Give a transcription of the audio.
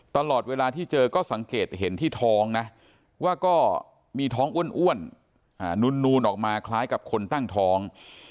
ตลอดเวลาที่เจอก็สังเกตเห็นที่ท้องนะว่าก็มีท้องอ้วนนูนออกมาคล้ายกับคนตั้งท้อง